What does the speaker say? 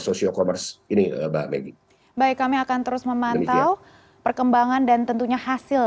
social commerce ini baik kami akan terus memantau perkembangan dan tentunya hasil